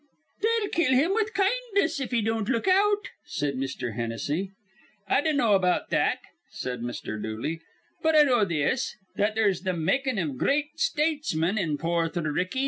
"They'll kill him with kindness if he don't look out," said Mr. Hennessy. "I dinnaw about that," said Mr. Dooley; "but I know this, that there's th' makin' iv gr reat statesmen in Porther Ricky.